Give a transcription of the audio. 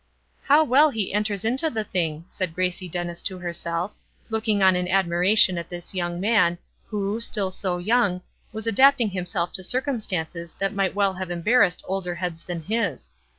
"How well he enters into the thing," said Gracie Dennis to herself, looking on in admiration at this young man, who, still so young, was adapting himself to circumstances that might well have embarrassed older heads than his.